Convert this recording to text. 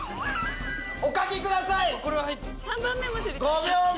お書きください！